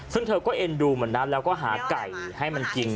ซึ่งเธอก็เอ็นดูเหมือนนะแล้วก็หาไก่ให้มันกิน